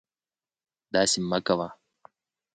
داسې مکوه